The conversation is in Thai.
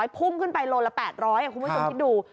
พุ่งขึ้นไปโลละ๘๐๐คุณผู้ชมคิดดู